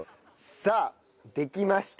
さあできました。